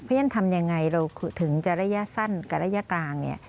เพราะฉะนั้นทำยังไงเราถึงจะระยะสั้นกับระยะกลางเนี่ย